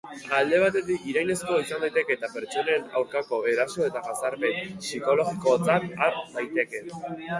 Alde batetik, irainezkoa izan daiteke eta pertsonen aurkako eraso eta jazarpen psikologikotzat har daiteke.